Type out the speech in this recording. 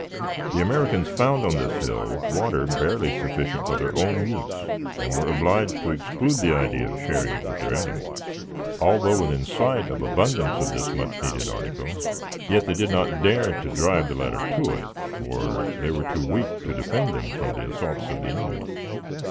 The Americans found on this hill water barely sufficient for their own use, and were obliged to exclude the idea of sharing it with their animals. Although within sight of abundance of this much needed article, yet they did not dare to drive the latter to it, for they were too weak to defend them from the assaults of the enemy.